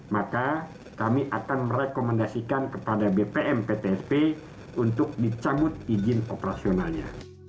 maka kami akan merekomendasikan kepada bpm ptsp untuk dicabut izin operasionalnya